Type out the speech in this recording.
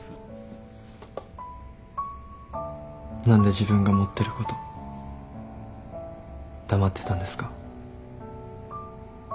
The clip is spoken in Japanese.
何で自分が持ってること黙ってたんですか？